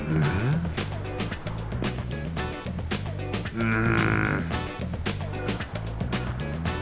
うん。